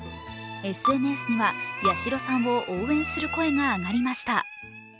ＳＮＳには八代さんを応援する声が上がりました。